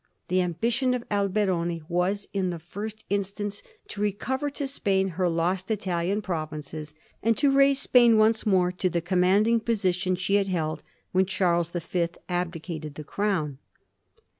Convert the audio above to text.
The ambition of Alberoni was in the first instance to recover to Spain her lost Italian pro vinces, and to raise Spain once more to the com manding position she had held when Charles the Fifth abdicated the crown.